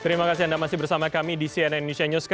terima kasih anda masih bersama kami di cnn indonesia newscast